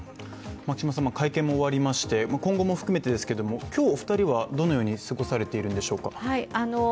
会見も終わりまして、今後も含めてですけれども、今日お二人はどのように過ごされているんでしょうか？